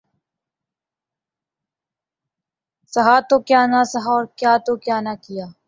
سہا تو کیا نہ سہا اور کیا تو کیا نہ کیا